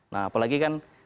nah apalagi kan